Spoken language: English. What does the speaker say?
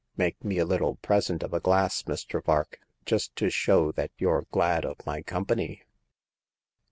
Make me a little present of a glass, Mr. Vark, just to show that you're glad of my company."